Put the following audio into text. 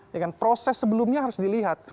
ya kan proses sebelumnya harus dilihat